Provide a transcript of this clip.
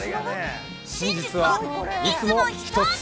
真実はいつもひとつ！